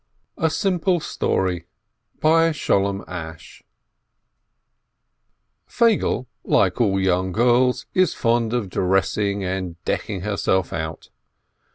A SIMPLE STOEY Feigele, like all young girls, is fond of dressing and decking herself out.